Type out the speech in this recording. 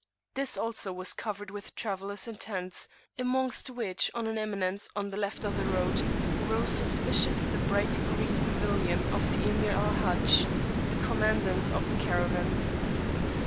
This also was covered with travellers and tents, amongst which on an eminence to the left of the road, rose conspicuous the bright green pavilion of the Emir Al Hajj, the commandant of the Caravan.